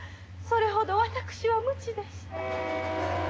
それほど私は無知でした。